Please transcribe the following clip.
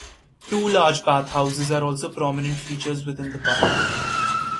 Two large bathhouses are also prominent features within the park.